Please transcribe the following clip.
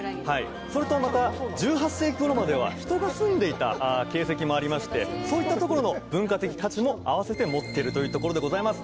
それとまた１８世紀頃までは人が住んでいた形跡もありましてそういったところの文化的価値も併せて持ってるというところでございます